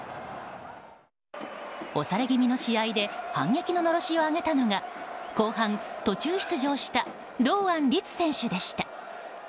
押され気味の試合で反撃ののろしを上げたのが後半、途中出場した堂安律選手でした。